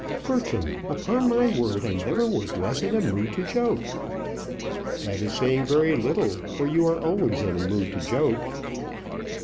"Bertram, upon my word, I never was less in a mood to joke." "That is saying very little, for you are always in a mood to joke."